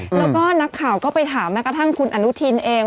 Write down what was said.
แล้วก็นักข่าวก็ไปถามแม้กระทั่งคุณอนุทินเอง